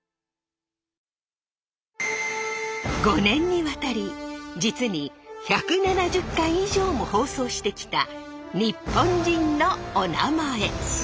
５年にわたり実に１７０回以上も放送してきた「日本人のおなまえ」。